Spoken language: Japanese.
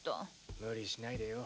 無理しないでよ。